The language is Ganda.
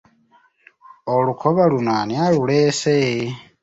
Olukoba luno ani aluleese?